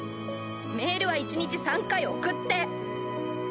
メールは１日３回送って。